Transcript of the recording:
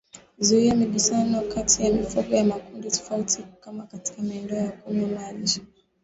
Zuia migusano kati ya mifugo ya makundi tofauti kama katika maeneo ya kunywa maji